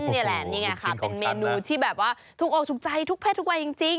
นี่แหละนี่ไงค่ะเป็นเมนูที่แบบว่าถูกออกถูกใจทุกเพศทุกวัยจริง